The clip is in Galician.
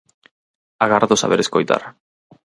Agardo saber escoitar.